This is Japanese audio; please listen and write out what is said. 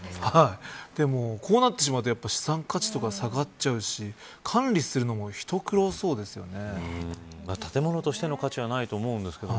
でもこうなってしまうと資産価値とか下がっちゃうし管理するのも建物としての価値はないと思うんですが。